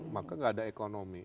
maka gak ada ekonomi